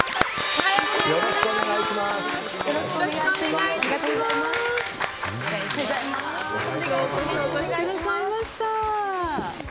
よろしくお願いします。